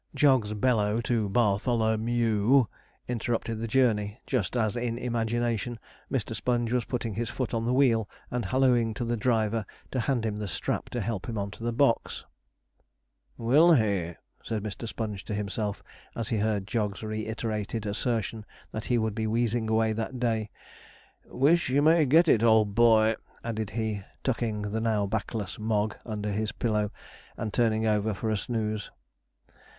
Jog's bellow to 'Bartholo m e w' interrupted the journey, just as in imagination Mr. Sponge was putting his foot on the wheel and hallooing to the driver to hand him the strap to help him on to the box. 'Will he?' said Mr. Sponge to himself, as he heard Jog's reiterated assertion that he would be wheezing away that day. 'Wish you may get it, old boy,' added he, tucking the now backless Mogg under his pillow, and turning over for a snooze.